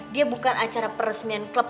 dia bukan acara peresmian klub